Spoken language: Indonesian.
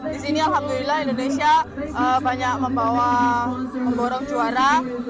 di sini alhamdulillah indonesia banyak membawa memborong juara